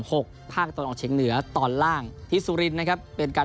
ภาคตะวันออกเฉียงเหนือตอนล่างที่สุรินทร์นะครับเป็นการ